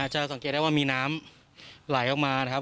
จะสังเกตได้ว่ามีน้ำไหลออกมานะครับ